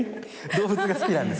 動物が好きで。